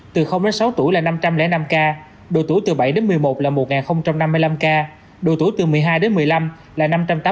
từ đến sáu tuổi là năm trăm linh năm ca độ tuổi từ bảy đến một mươi một là một năm mươi năm ca độ tuổi từ một mươi hai đến một mươi năm là năm trăm tám mươi tám